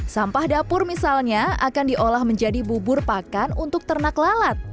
sampah dapur misalnya akan diolah menjadi bubur pakan untuk ternak lalat